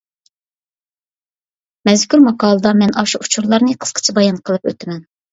مەزكۇر ماقالىدا مەن ئاشۇ ئۇچۇرلارنى قىسقىچە بايان قىلىپ ئۆتىمەن.